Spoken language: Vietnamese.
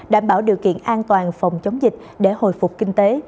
đảm bảo điều kiện an toàn phòng chống dịch để hồi phục kinh tế